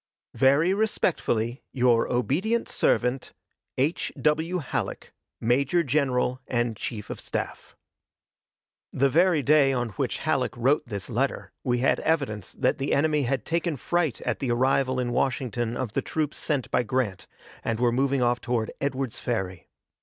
Very respectfully, your obedient servant, H. W. HALLECK, Major General and Chief of Staff. The very day on which Halleck wrote this letter we had evidence that the enemy had taken fright at the arrival in Washington of the troops sent by Grant, and were moving off toward Edwards Ferry.